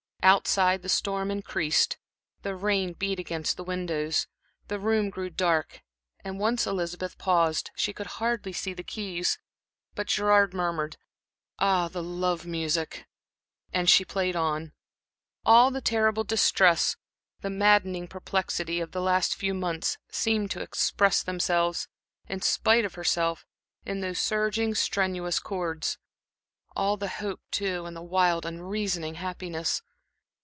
Outside the storm increased, the rain beat against the windows, the room grew dark, and once Elizabeth paused she could hardly see the keys. But Gerard murmured, "Ah, the love music!" and she played on. All the terrible distress, the maddening perplexity, of the last few months seemed to express themselves, in spite of herself, in those surging, strenuous chords; all the hope, too, and the wild unreasoning happiness.